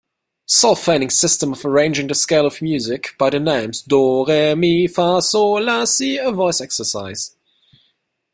Solfaing system of arranging the scale of music by the names do, re, mi, fa, sol, la, si a voice exercise.